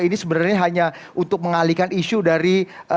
ini sebenarnya hanya untuk mengalihkan isu dari